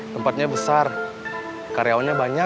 tempatnya besar karyawannya banyak